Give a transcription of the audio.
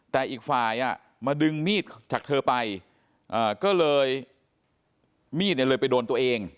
แต่อีกฝ่ายมาดึงมีดจากเธอไปก็เลยมีดเนี่ยเลยไปโดนตัวเอง